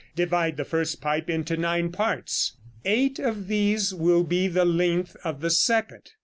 Divide the first pipe into nine parts; eight of these will be the length of the second.